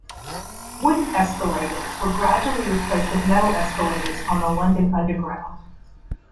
Wooden escalators were gradually replaced with metal escalators on the London Underground.